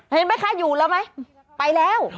เห็นไหมคะอยู่แล้วไหมไปแล้ว